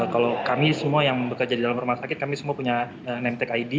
kalau kami semua yang bekerja di dalam rumah sakit kami semua punya nemptec id